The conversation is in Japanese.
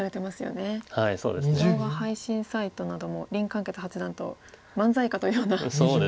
動画配信サイトなども林漢傑八段と漫才かというような。